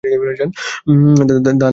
ধান এই জেলার প্রধান শস্য।